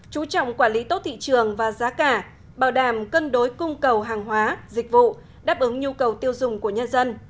chú trọng quản lý tốt thị trường và giá cả bảo đảm cân đối cung cầu hàng hóa dịch vụ đáp ứng nhu cầu tiêu dùng của nhân dân